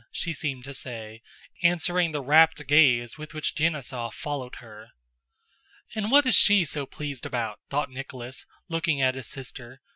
she seemed to say, answering the rapt gaze with which Denísov followed her. "And what is she so pleased about?" thought Nicholas, looking at his sister.